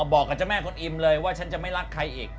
บอกกับเจ้าแม่คนอิมเลยว่าฉันจะไม่รักใครอีก